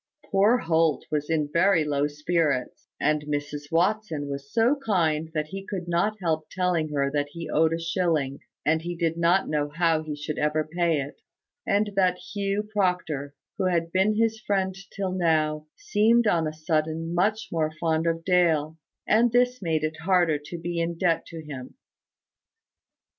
Poor Holt was in very low spirits; and Mrs Watson was so kind that he could not help telling her that he owed a shilling, and he did not know how he should ever pay it; and that Hugh Proctor, who had been his friend till now, seemed on a sudden much more fond of Dale; and this made it harder to be in debt to him.